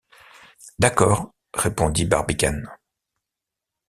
D’accord, répondit Barbicane.